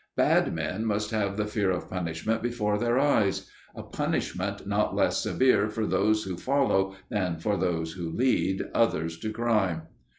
Bad men must have the fear of punishment before their eyes: a punishment not less severe for those who follow than for those who lead others to crime.